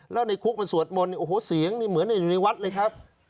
แล้วในคุกมันสวดมนต์โอ้โหเสียงนี่เหมือนอยู่ในวัดเลยครับ